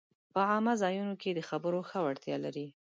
په عامه ځایونو کې د خبرو ښه وړتیا لري